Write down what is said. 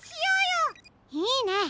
いいね！